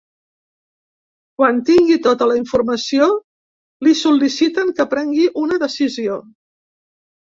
Quan tingui tota la informació, li sol·liciten que prengui una decisió.